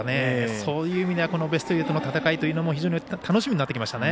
そういう意味ではベスト８の戦いというのも非常に楽しみになってきましたね。